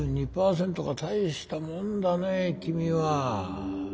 大したもんだね君は。